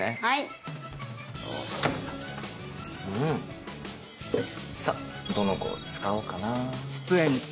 どの子を使おうかな。